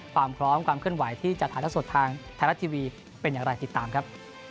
ความพร้อมความเคลื่อนไหวที่จะถ่ายละสดทางไทยรัฐทีวีเป็นอย่างไรติดตามครับ